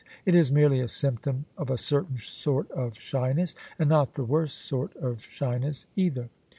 It is merely a symptom of a certain sort of shyness: and not the worst sort of shy ness, either.